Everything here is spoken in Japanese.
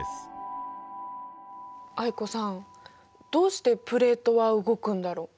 藍子さんどうしてプレートは動くんだろう。